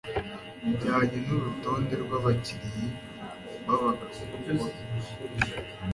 bijyanye nurutonde rwabakinnyi babagabo bakuru